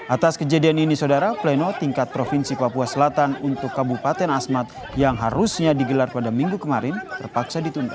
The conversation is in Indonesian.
atas kejadian ini saudara pleno tingkat provinsi papua selatan untuk kabupaten asmat yang harusnya digelar pada minggu kemarin terpaksa ditunda